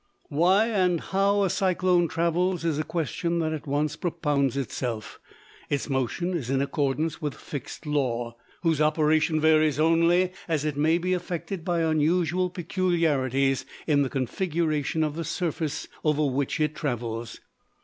Why and how a cyclone travels, is a question that at once propounds itself. Its motion is in accordance with a fixed law, whose operation varies only as it may be affected by unusual peculiarities in the configuration of the surface over which it travels.